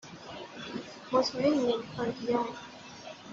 مطمئنی نمی خوای بیای ؟